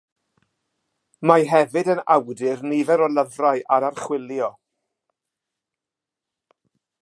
Mae hefyd yn awdur nifer o lyfrau ar archwilio.